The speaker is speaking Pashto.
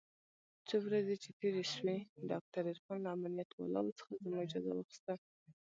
څو ورځې چې تېرې سوې ډاکتر عرفان له امنيت والاو څخه زما اجازه واخيسته.